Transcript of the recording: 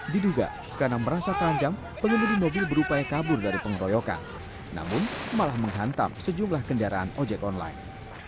diduga karena merasa terancam pengemudi mobil berupaya kabur dari pengeroyokan namun malah menghantam sejumlah kendaraan ojek online